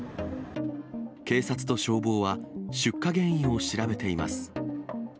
警察と消防は、出火原因を調べています。